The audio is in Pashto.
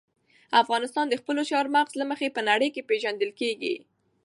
افغانستان د خپلو چار مغز له مخې په نړۍ کې پېژندل کېږي.